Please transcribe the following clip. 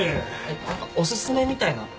何かおすすめみたいなあります？